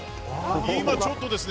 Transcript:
今、ちょっとですね